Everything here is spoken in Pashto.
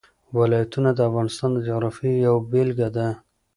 ولایتونه د افغانستان د جغرافیې یوه بېلګه ده.